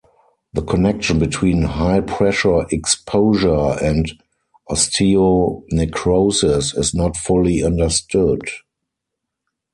The connection between high-pressure exposure and osteonecrosis is not fully understood.